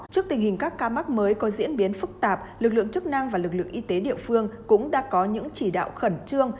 trước tình hình các ca mắc mới có diễn biến phức tạp lực lượng chức năng và lực lượng y tế địa phương cũng đã có những chỉ đạo khẩn trương